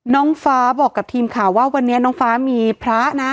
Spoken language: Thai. น้องฟ้าบอกกับทีมข่าวว่าวันนี้น้องฟ้ามีพระนะ